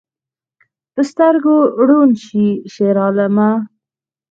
په سترګو ړوند شې شیرعالمه